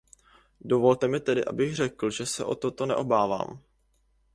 Dovolte mi tedy abych řekl, že já se toho neobávám.